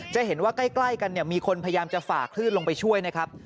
จะเห็นว่าใกล้กันเนี่ยมีคนพยายามจะฝ่าคลื่นลงไปช่วยนะครับ